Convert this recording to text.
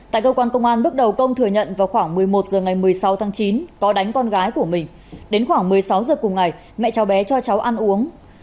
tại cơ quan công an bước đầu công thừa nhận vào khoảng một mươi một h ngày một mươi sáu tháng chín có đánh con gái của mình đến khoảng một mươi sáu h cùng ngày mẹ cháu bé cho cháu ăn uống